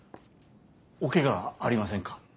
おケガはありませんか？